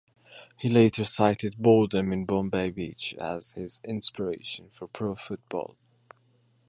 He later cited boredom in Bombay Beach as his inspiration for pro football.